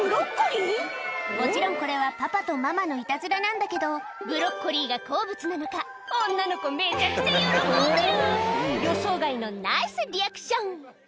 もちろんこれはパパとママのいたずらなんだけどブロッコリーが好物なのか女の子めちゃくちゃ喜んでる予想外のナイスリアクション